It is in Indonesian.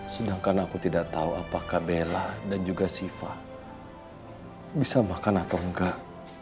sedangkan aku tidak tahu apakah bella dan juga siva bisa makan atau enggak